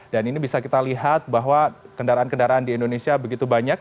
dan ini bisa kita lihat bahwa kendaraan kendaraan di indonesia begitu banyak